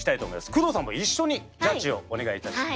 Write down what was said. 工藤さんも一緒にジャッジをお願いいたします。